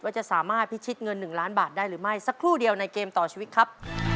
จะสามารถพิชิตเงิน๑ล้านบาทได้หรือไม่สักครู่เดียวในเกมต่อชีวิตครับ